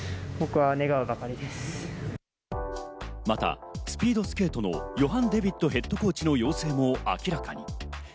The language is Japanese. またスピードスケートのヨハン・デヴィットヘッドコーチの陽性も明らかに。